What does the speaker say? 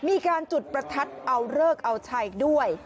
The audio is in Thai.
มีการจุดประทัดเอาเลิกเอาชัยด้วย